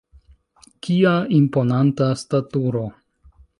Kia imponanta staturo!